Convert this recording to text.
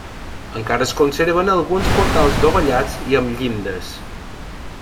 Encara es conserven alguns portals dovellats i amb llindes.